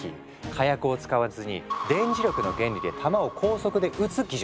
火薬を使わずに電磁力の原理で弾を高速で撃つ技術。